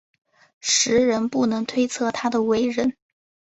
时人不能推测他的为人。